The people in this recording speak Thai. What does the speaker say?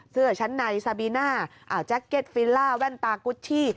เสื้อชั้นในซาบีน่าแจ็คเก็ตฟิลล่าแว่นตากุชชี่